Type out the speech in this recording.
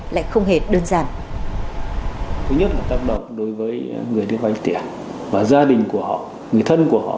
lại không hề đơn giản